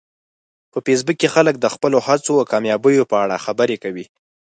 په فېسبوک کې خلک د خپلو هڅو او کامیابیو په اړه خبرې کوي